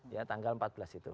ya tanggal empat belas itu